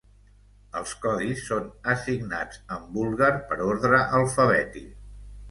Els codis són assignats en búlgar per ordre alfabètic.